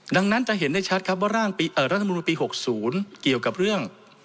ดังนั้นจะเห็นได้ชัดครับว่าร่างรัฐมนุนปี๖๐เกี่ยวกับเรื่อง